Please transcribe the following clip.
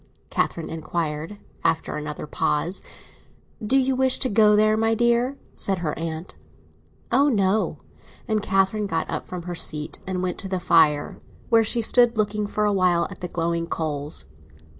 Catherine inquired, after another pause. "Do you wish to go there, my dear?" said her aunt. "Oh no!" And Catherine got up from her seat and went to the fire, where she stood looking a while at the glowing coals.